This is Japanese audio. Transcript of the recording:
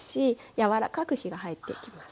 柔らかく火が入っていきます。